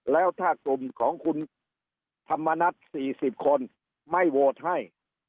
แล้วถ้ากลุ่มของคุณธรรมนัฐ๔๐คนไม่โหวตให้